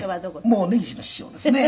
「もう根岸の師匠ですね」